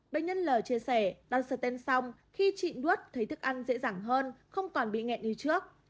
bệnh nhân l chia sẻ đặt sở tên xong khi trị nuốt thấy thức ăn dễ dàng hơn không còn bị nghẹn như trước